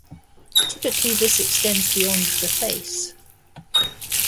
Typically this extends beyond the face.